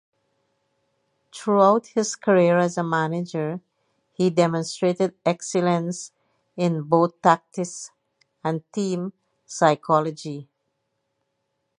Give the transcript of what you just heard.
Throughout his career as manager he demonstrated excellence in both tactics and team psychology.